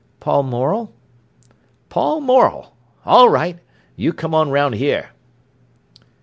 "Paul Morel." "Paul Morel? All right, you come on round here."